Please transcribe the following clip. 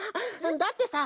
だってさ